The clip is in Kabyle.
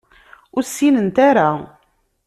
Ur ssinent ara.